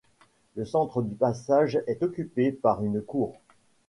Le centre du passage est occupé par une cour.